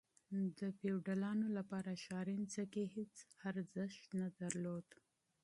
د فیوډالانو لپاره شاړې ځمکې هیڅ ارزښت نه درلود.